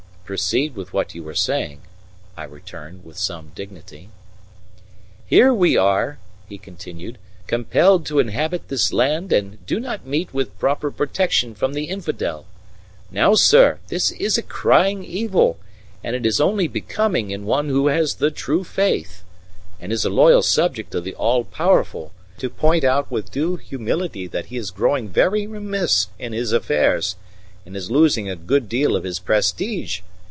"Proceed with what you were saying," I returned, with some dignity. "Here we are," he continued, "compelled to inhabit this land and do not meet with proper protection from the infidel. Now, sir, this is a crying evil, and it is only becoming in one who has the true faith, and is a loyal subject of the All Powerful, to point out with due humility that He is growing very remiss in His affairs, and is losing a good deal of His prestige.